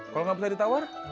kalau nggak bisa ditawar